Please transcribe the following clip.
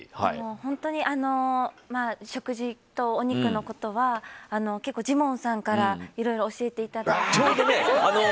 本当に、食事とお肉のことは結構、ジモンさんからいろいろ教えていただいて。